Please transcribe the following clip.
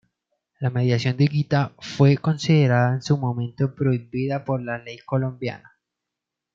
La mediación de Higuita fue considerada en su momento prohibida por la ley colombiana.